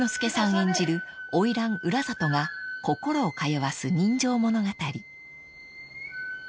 演じるおいらん浦里が心を通わす人情物語］